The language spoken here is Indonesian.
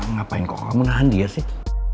ngapain kok kamu nahan dia sih